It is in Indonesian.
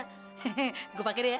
he he gue pakai dia